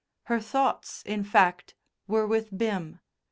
Her thoughts, in fact, were with Bim.